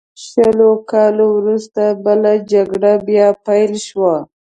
شلو کالو وروسته بله جګړه بیا پیل شوه.